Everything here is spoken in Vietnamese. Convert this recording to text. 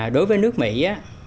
đối với nước mỹ